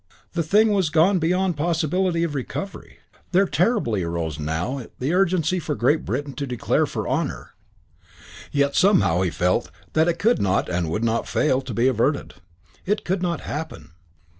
The thing was gone beyond possibility of recovery, there terribly arose now the urgency for Great Britain to declare for honour, yet somehow he felt that it could not and would not fail to be averted. It could not happen.